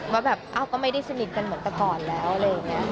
ว่าแบบเอ้าก็ไม่ได้สนิทกันเหมือนแต่ก่อนแล้วอะไรอย่างนี้